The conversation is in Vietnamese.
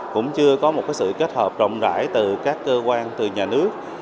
cũng chưa có một sự kết hợp rộng rãi từ các cơ quan từ nhà nước